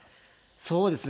そうですね。